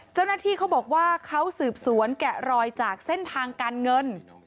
เจ้าหน้าที่เขาบอกว่าเขาสืบสวนแกะรอยจากเส้นทางการเงิน